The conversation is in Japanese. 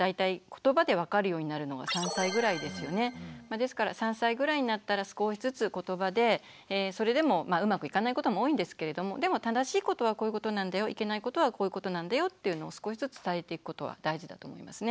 ですから３歳ぐらいになったら少しずつことばでそれでもうまくいかないことも多いんですけれどもでも「正しいことはこういうことなんだよいけないことはこういうことなんだよ」っていうのを少しずつ伝えていくことは大事だと思いますね。